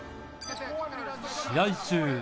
試合中。